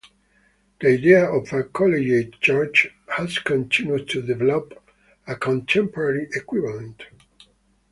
The idea of a "collegiate church" has continued to develop a contemporary equivalent.